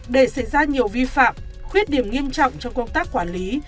để xảy ra nhiều vi phạm khuyết điểm nghiêm trọng trong công tác quản lý